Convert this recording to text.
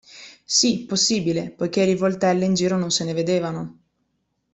Sì, possibile, poiché rivoltelle in giro non se ne vedevano.